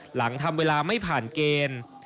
หลังทำเวลาไม่ผ่านเกณฑ์